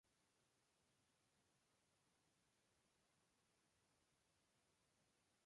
Dando continuidad a trabajos anteriores, como Tello "et al".